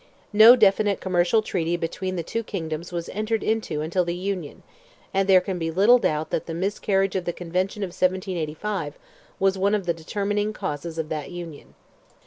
No definite commercial treaty between the two kingdoms was entered into until the Union, and there can be little doubt that the miscarriage of the Convention of 1785 was one of the determining causes of that Union.